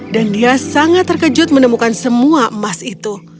dan dia sangat terkejut menemukan semua emas itu